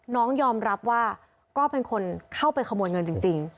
น้องยอมรับว่าก็เป็นคนเข้าไปขโมยเงินจริง